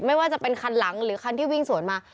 ไม่ว่าจะเป็นคันหลังหรือคันที่วิ่งสวนมา